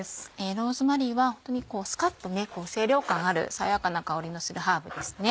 ローズマリーはホントにスカっとね清涼感ある爽やかな香りのするハーブですね。